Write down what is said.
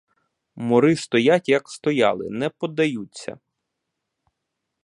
Мури стоять, як стояли, не подаються.